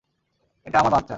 এটা আমার বাচ্চা।